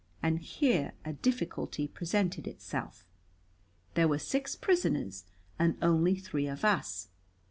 And here a difficulty presented itself. There were six prisoners and only three of us.